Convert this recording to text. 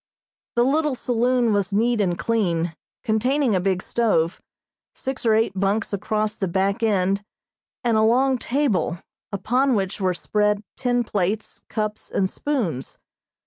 The little saloon was neat and clean, containing a big stove, six or eight bunks across the back end, and a long table, upon which were spread tin plates, cups and spoons.